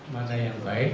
mana yang baik